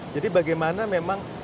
jadi bagaimana memang